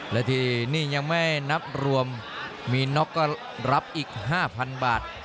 และที่นี่ยังไม่นับรวมมีน็อกก็รับอีก๕๐๐๐บาท